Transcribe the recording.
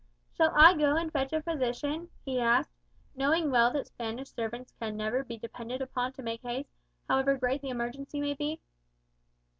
"Shall I go and fetch a physician?" he asked, knowing well that Spanish servants can never be depended upon to make haste, however great the emergency may be.